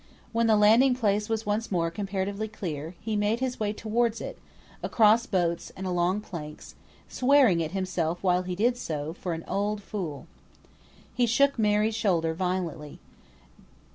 When the landing place was once more comparatively clear, he made his way towards it, across boats, and along planks, swearing at himself while he did so, for an old fool. He shook Mary's shoulder violently.